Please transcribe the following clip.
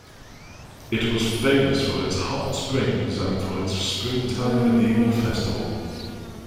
It was famous for its hot springs and for its springtime medieval festival.